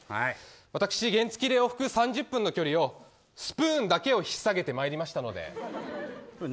私原付で往復３０分の距離をスプーンだけを引っさげてまいりましたので。